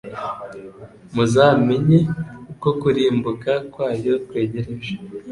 muzamenye ko kurimbuka kwayo kwegereje.